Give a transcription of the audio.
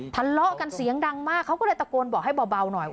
ทะเลาะกันเสียงดังมากเขาก็เลยตะโกนบอกให้เบาหน่อย